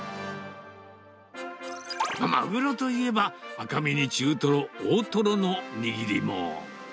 マグロといえば、赤身に中トロ、大トロの握りも。